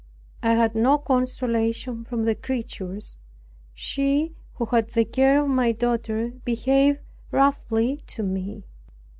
I had no consolation from the creatures. She who had the care of my daughter behaved roughly to me.